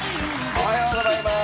おはようございます。